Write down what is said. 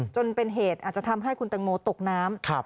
จนเป็นเหตุอาจจะทำให้คุณตังโมตกน้ำ